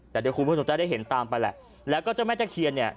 แต่เดี๋ยวคุณผู้ชมจะได้เห็นตามไปแหละแล้วก็เจ้าแม่ตะเคียนเนี่ย